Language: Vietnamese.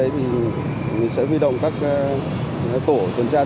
thì sẽ vi động các